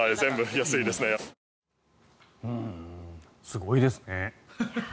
すごいですね。